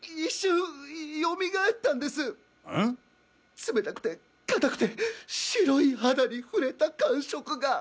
冷たくて硬くて白い肌に触れた感触が。